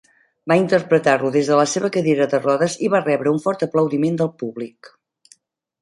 Va interpretar-lo des de la seva cadira de rodes i va rebre un fort aplaudiment del públic.